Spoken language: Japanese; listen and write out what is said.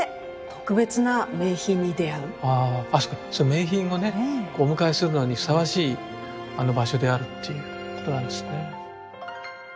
名品をねお迎えするのにふさわしい場所であるっていうことなんですね。